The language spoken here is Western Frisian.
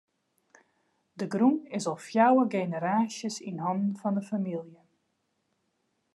De grûn is al fjouwer generaasjes yn hannen fan de famylje.